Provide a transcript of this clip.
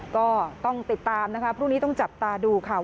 ก็ต้องติดตามนะคะพรุ่งนี้ต้องจับตาดูค่ะ